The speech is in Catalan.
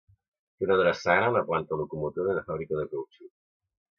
Té una drassana, una planta locomotora i una fàbrica de cautxú.